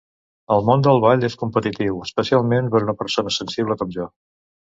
El món del ball és competitiu, especialment per una persona sensible com jo.